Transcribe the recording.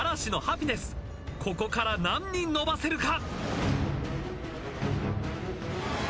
ここから何人伸ばせるか！？